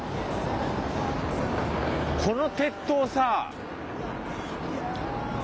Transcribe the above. この鉄塔さ。